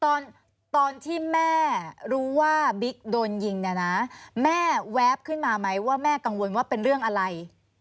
ตอนที่แม่รู้ว่าบิ๊กโดนยิงเนี่ยนะแม่แวบขึ้นมาไหมว่าแม่กังวลว่าเป็นเรื่องอะไร